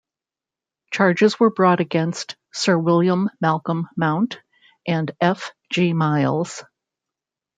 Charges were brought against Sir William Malcolm Mount and F. G. Miles.